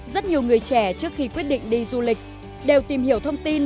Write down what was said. rất nhiều người trẻ trước khi quyết định đi du lịch đều tìm hiểu thông tin